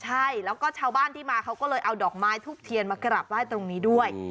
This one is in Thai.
ใช่แล้วก็ชาวบ้านที่มาเขาก็เลยเอาดอกไม้ทูบเทียนมากราบไหว้ตรงนี้ด้วย